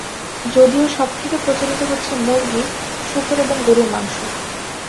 যদিও সবথেকে প্রচলিত হচ্ছে মুরগী, শূকর এবং গরুর মাংস।